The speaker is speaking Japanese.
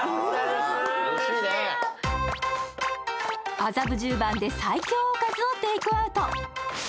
麻布十番で最強おかずをテイクアウト。